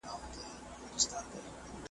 لوستې میندې د ماشومانو د خوړو نظم مراعت کوي.